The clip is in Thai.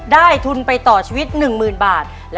ได้ทุนไปต่อชีวิตอีก๑หมื่นบาท